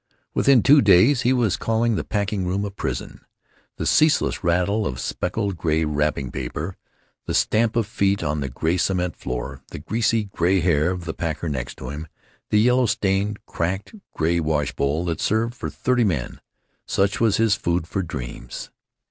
Within two days he was calling the packing room a prison. The ceaseless rattle of speckled gray wrapping paper, the stamp of feet on the gray cement floor, the greasy gray hair of the packer next to him, the yellow stained, cracked, gray wash bowl that served for thirty men, such was his food for dreams.